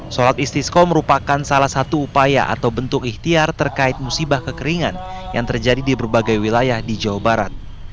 sholat istisko merupakan salah satu upaya atau bentuk ikhtiar terkait musibah kekeringan yang terjadi di berbagai wilayah di jawa barat